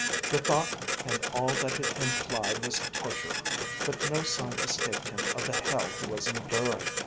The thought and all that it implied was torture, but no sign escaped him of the hell he was enduring.